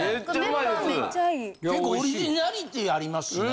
結構オリジナリティーありますしね。